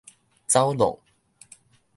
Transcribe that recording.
走挵